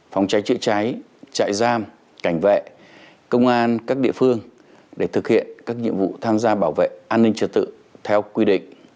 phòng cháy chữa cháy trại giam cảnh vệ công an các địa phương để thực hiện các nhiệm vụ tham gia bảo vệ an ninh trật tự theo quy định